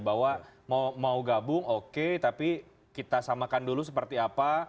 bahwa mau gabung oke tapi kita samakan dulu seperti apa